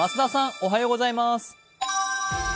おはようございます。